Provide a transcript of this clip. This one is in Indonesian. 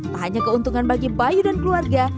tak hanya keuntungan bagi bayu dan keluarga